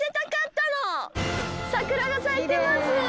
桜が咲いてます。